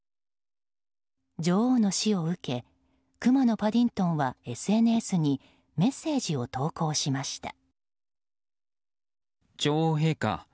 女王の死を受けくまのパディントンはＳＮＳにメッセージを投稿しました。